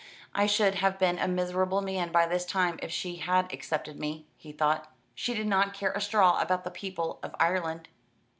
"I should have been a miserable man by this time if she had accepted me," he thought. "She did not care a straw about the People of Ireland."